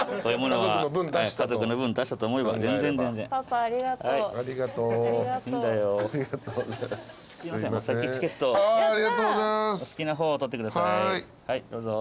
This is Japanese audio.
はいどうぞ。